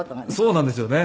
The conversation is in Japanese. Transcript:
そうなんですよね。